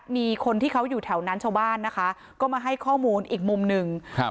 มีคนที่เขาอยู่แถวนั้นชาวบ้านนะคะก็มาให้ข้อมูลอีกมุมหนึ่งครับ